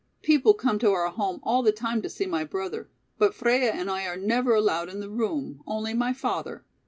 "People come to our home all the time to see my brother, but Freia and I are never allowed in the room, only my father.